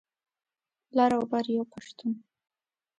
لر او بر یو پښتون.